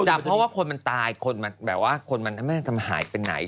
จับเพราะว่าคนมันตายแบบว่าคนมันทำมาหายไปไหน